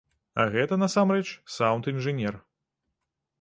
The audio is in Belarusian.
А гэта, насамрэч, саўнд-інжынер.